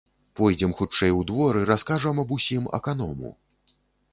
Пойдзем хутчэй у двор і раскажам аб усім аканому.